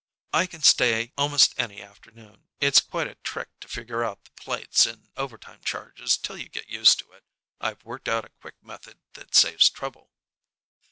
I can stay almost any afternoon. It's quite a trick to figure out the plates and over time charges till you get used to it. I've worked out a quick method that saves trouble."